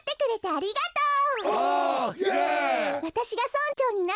ありがとう。